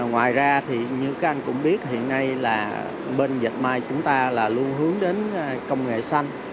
ngoài ra thì như các anh cũng biết hiện nay là bên dệt may chúng ta là luôn hướng đến công nghệ xanh